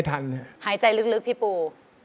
หายใจลึกพี่ปู